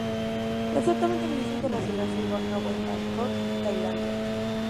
El certamen de belleza internacional se llevó a cabo en Bangkok, Tailandia.